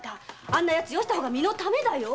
あんなヤツはよした方が身のためだよ。